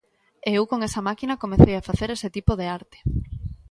E eu con esa máquina comecei a facer ese tipo de arte.